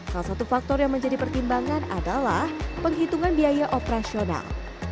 salah satu faktor yang menjadi pertimbangan adalah penghitungan biaya operasional